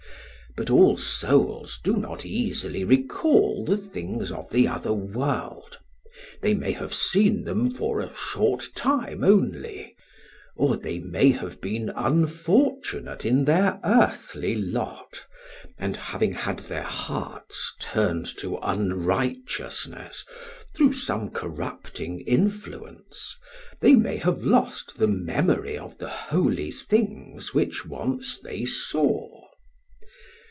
But all souls do not easily recall the things of the other world; they may have seen them for a short time only, or they may have been unfortunate in their earthly lot, and, having had their hearts turned to unrighteousness through some corrupting influence, they may have lost the memory of the holy things which once they saw.